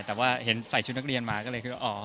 แต่ว่าเห็นใส่ชุดนักเรียนมาก็เลยคิดว่าอ๋อ